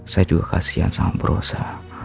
saya juga kasian sama bu rosa